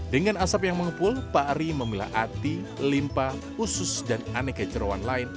dengan asap yang mengepul pak ari memilah ati limpa usus dan aneka cerawan lain